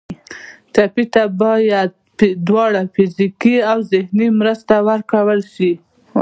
ټپي ته باید دواړه فزیکي او ذهني مرسته ورکړل شي.